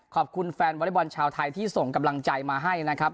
ขอบคุณแฟนวอเล็กบอลชาวไทยที่ส่งกำลังใจมาให้นะครับ